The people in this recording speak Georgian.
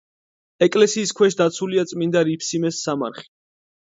ეკლესიის ქვეშ დაცულია წმინდა რიფსიმეს სამარხი.